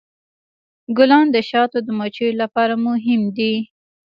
ګلان د شاتو د مچیو لپاره مهم دي.